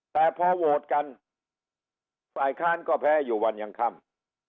แต่พอโหวตกันฝ่ายค้านก็แพ้อยู่วันยังค่ำ